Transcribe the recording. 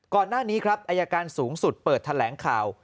ก่อนหน้านี้ครับอายการสูงสุดเปิดแถลงข่าว